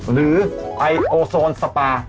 หรือไอโอโซนสปา